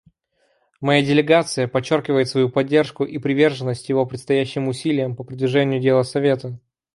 Моя делегация подчеркивает свою поддержку и приверженность его предстоящим усилиям по продвижению дела Совета.